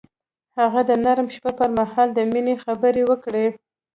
هغه د نرم شپه پر مهال د مینې خبرې وکړې.